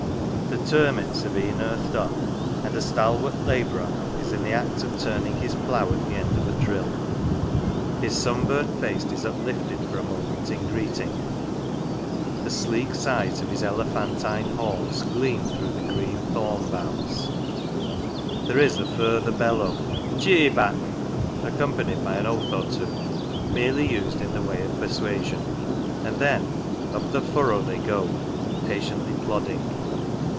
The " turmits "" are being earthed up, and a stalwart labourer is in the act of turning his plough at the end of a drill. His sunburnt face is uplifted for a moment in greeting, the sleek sides of his elephantine horse gleam through the green thorn boughs ; there is 10 THORNLEIGH a further bellow " Gee back !" accompanied by an oath or two, merely used in the way of persuasion, and then up the furrow they go, patiently plodding.